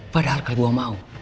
padahal kalau gue mau